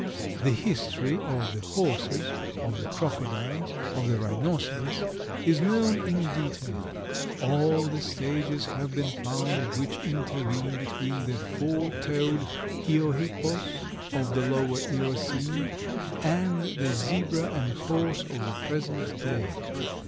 The history of the horses, of the crocodiles, of the rhinoceros is known in detail. All the stages have been found which intervene between the four toed Eohippos of the Lower Eocene and the zebra and horse of the present day.